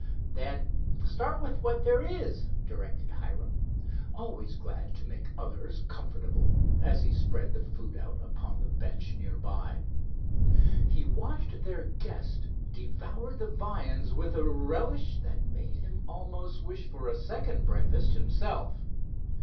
"Then start with what there is," directed Hiram, always glad to make others comfortable, as he spread the food out upon the bench near by. He watched their guest devour the viands with a relish that made him almost wish for a second breakfast himself.